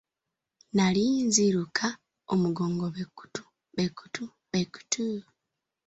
Nnali nziruka omugongo be kkutu, be kkutu, be kkutu!